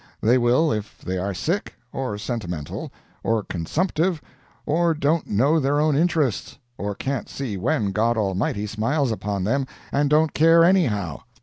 They will if they are sick—or sentimental—or consumptive—or don't know their own interests—or can't see when God Almighty smiles upon them, and don't care anyhow.